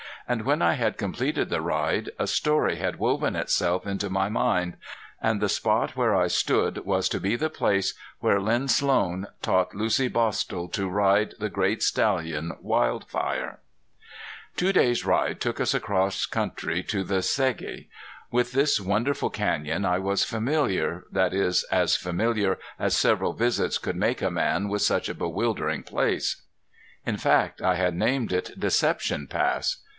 And when I had completed the ride a story had woven itself into my mind; and the spot where I stood was to be the place where Lin Slone taught Lucy Bostil to ride the great stallion Wildfire. [Illustration: THERE WAS SOMETHING BEYOND THE WHITE PEAKED RANGES] Two days' ride took us across country to the Segi. With this wonderful canyon I was familiar, that is, as familiar as several visits could make a man with such a bewildering place. In fact I had named it Deception Pass.